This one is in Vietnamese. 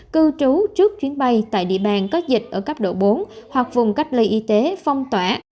cư trú trước chuyến bay tại địa bàn có dịch ở cấp độ bốn hoặc vùng cách ly y tế phong tỏa